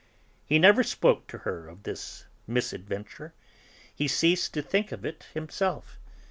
He never spoke to her of this misadventure, he ceased even to think of it himself.